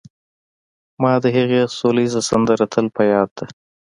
ما د هغې سوله ييزه سندره تل په ياد ده